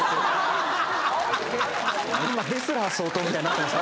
今デスラー総統みたいになってますよ